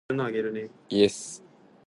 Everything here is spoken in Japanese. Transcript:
早う文章溜めてね